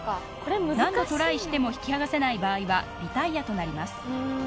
何度トライしても引き剥がせない場合はリタイアとなります